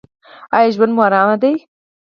ایا ژوند مو ارام دی؟